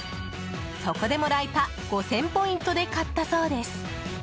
そこでもらえた５０００ポイントで買ったそうです。